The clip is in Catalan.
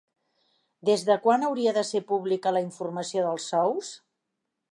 Des de quan hauria de ser pública la informació dels sous?